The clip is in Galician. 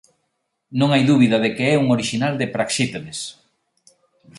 Non hai dúbida de que é un orixinal de Praxiteles".